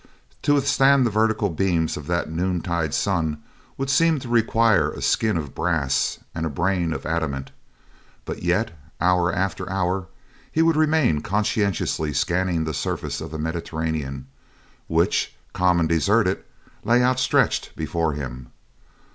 To withstand the vertical beams of that noontide sun would seem to require a skin of brass and a brain of adamant; but yet, hour after hour, he would remain conscientiously scanning the surface of the Mediterranean, which, calm and deserted, lay outstretched before him.